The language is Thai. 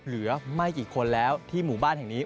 เหลือไม่กี่คนแล้วที่หมู่บ้านแห่งนี้